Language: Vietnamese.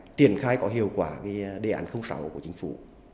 để tiến khai có hiệu quả đề ảnh không xảo của chính phủ